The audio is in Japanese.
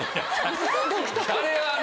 あれはね